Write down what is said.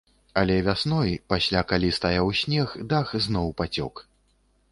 Але вясной, пасля калі стаяў снег, дах зноў пацёк.